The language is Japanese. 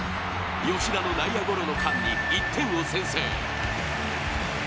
吉田の内野ゴロの間に１点を先制。